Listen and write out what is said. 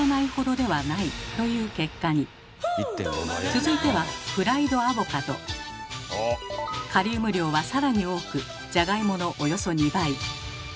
続いてはカリウム量は更に多くじゃがいものおよそ２倍。